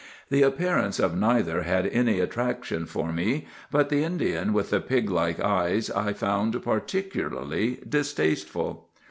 "The appearance of neither had any attraction for me, but the Indian with the pig like eyes I found particularly distasteful.